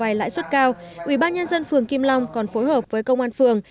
sau vài lãi suất cao ủy ban nhân dân phường kim long còn phối hợp với công an phường